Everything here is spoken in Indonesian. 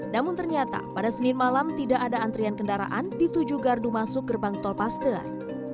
namun ternyata pada senin malam tidak ada antrian kendaraan di tujuh gardu masuk gerbang tolpaster